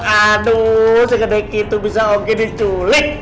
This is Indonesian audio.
aduh segede gitu bisa oke diculik